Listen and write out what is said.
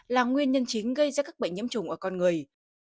là nguyên nhân chính gây ra các bệnh nhiễm trùng ở con người